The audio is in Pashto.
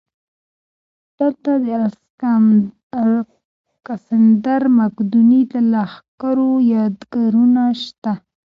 دلته د الکسندر مقدوني د لښکرو یادګارونه شته